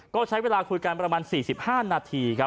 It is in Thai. ก็ใช้เวลาคุยกันประมาณ๔๕นาทีครับ